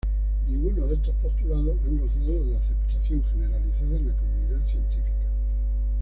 Ninguno de estos postulados han gozado de aceptación generalizada en la comunidad científica.